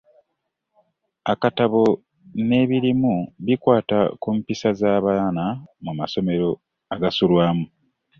Akatabo n’ebirimu bikwata ku mpisa z’abaana mu masomero agasulwamu.